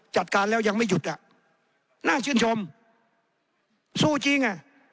จัดการแล้วยังไม่หยุดอ่ะน่าชื่นชมสู้จริงอ่ะ